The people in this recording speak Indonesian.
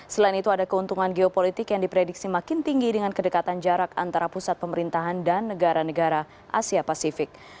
selain itu ada keuntungan geopolitik yang diprediksi makin tinggi dengan kedekatan jarak antara pusat pemerintahan dan negara negara asia pasifik